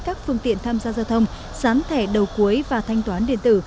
các phương tiện tham gia giao thông sán thẻ đầu cuối và thanh toán điện tử